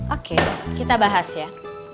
oke kita bahas ya